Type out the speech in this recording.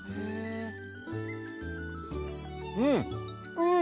うん！